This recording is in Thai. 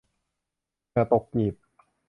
เหงื่อตกกีบ